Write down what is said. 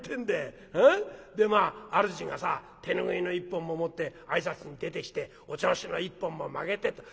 でまあ主がさ手拭いの１本も持って挨拶に出てきておちょうしの１本もまけてと。